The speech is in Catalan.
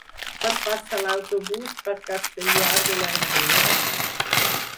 Quan passa l'autobús per Castellar de la Ribera?